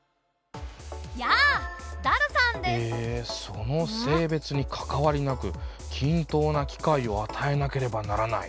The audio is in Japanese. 「その性別にかかわりなく均等な機会を与えなければならない」